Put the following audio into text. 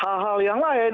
hal hal yang lain